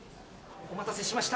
お待たせしました。